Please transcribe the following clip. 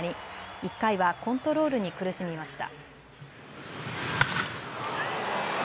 １回はコントロールに苦しみました。